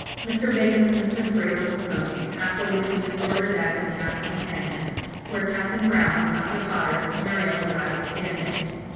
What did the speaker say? Mr. Bingham and Mr. Freer were smoking, half way between the quarter deck and the after companion, where Captain Brown, Dr. Potter, Muriel, and I, were standing.